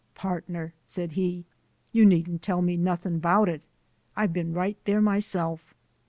"Partner," said he, "you needn't tell nothin' about it. I've been right there myself."